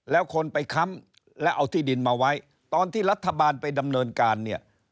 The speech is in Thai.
แล้วคนไปค้ำและเอาที่ดินมาไว้ตอนที่รัฐบาลไปดำเนินการเนี่ย